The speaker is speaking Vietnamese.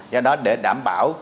do đó để đảm bảo